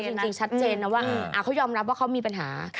จริงชัดเจนนะว่าเขายอมรับว่าเขามีปัญหา